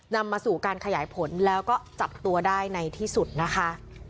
นำมาสู่การขยายผลแล้วก็จับตัวได้ในที่สุดนะคะ